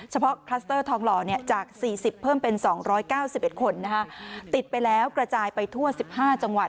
คลัสเตอร์ทองหล่อจาก๔๐เพิ่มเป็น๒๙๑คนติดไปแล้วกระจายไปทั่ว๑๕จังหวัด